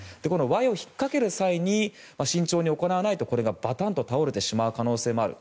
ワイヤを引っかける際に慎重に行わないとこれがバタンと倒れてしまう可能性もある。